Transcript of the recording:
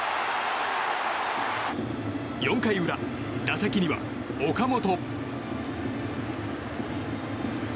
４回裏、打席には岡本。